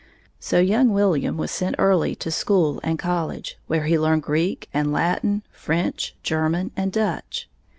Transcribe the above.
So young William was sent early to school and college, where he learned Greek and Latin, French, German, and Dutch.